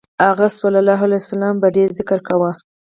هغه ﷺ به ډېر ذکر کاوه.